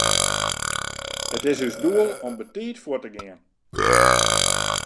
It is ús doel om betiid fuort te gean.